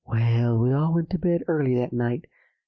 "Well, we all went to bed early that night.